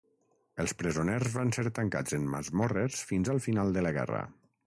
Els presoners van ser tancats en masmorres fins al final de la guerra.